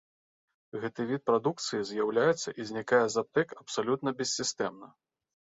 Гэты від прадукцыі з'яўляецца і знікае з аптэк абсалютна бессістэмна.